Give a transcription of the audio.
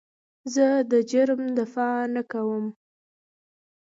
زه د جرم دفاع نه کوم.